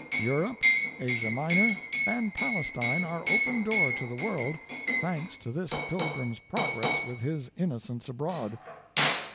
Europe and Asia Minor, and Palestine are open door to the world, thanks to this Pilgrim's progress with his Innocents Abroad.